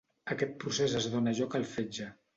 Aquest procés es dóna lloc al fetge.